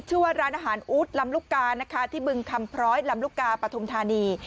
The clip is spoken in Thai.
ชื่อว่าร้านอาหารอู๊ดลำลูกกานะคะที่บึงคำพร้อยลำลูกกาปฐุมธานี